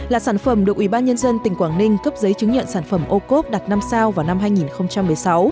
là sản phẩm được ủy ban nhân dân tỉnh quảng ninh cấp giấy chứng nhận sản phẩm ô cốp đặt năm sao vào năm hai nghìn một mươi sáu